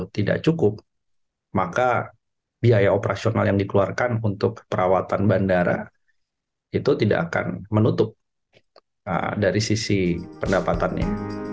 tidak cukup maka biaya operasional yang dikeluarkan untuk perawatan bandara itu tidak akan menutup dari sisi pendapatannya